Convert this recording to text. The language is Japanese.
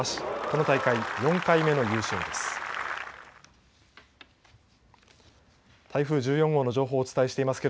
この大会４回目の優勝です。